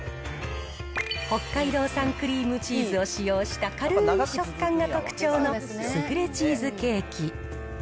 北海道産クリームチーズを使用した、軽ーい食感が特徴のスフレチーズケーキ。